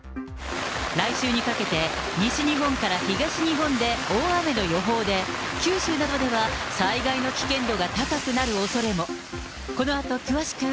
来週にかけて、西日本から東日本で大雨の予報で、九州などでは災害の危険度が高くなるおそれも。